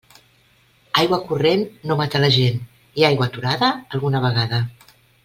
Aigua corrent no mata la gent i aigua aturada alguna vegada.